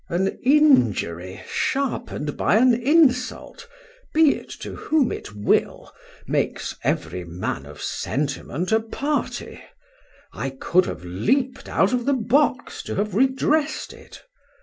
An injury sharpen'd by an insult, be it to whom it will, makes every man of sentiment a party: I could have leap'd out of the box to have redressed it.